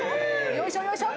「よいしょ！よいしょ！」